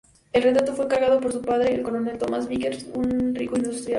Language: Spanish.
El retrato fue encargado por su padre, el coronel Thomas Vickers, un rico industrial.